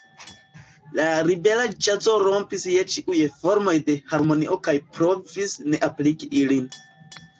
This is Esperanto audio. La libera ĵazo rompis je ĉiuj formoj de harmonio kaj provis ne apliki ilin.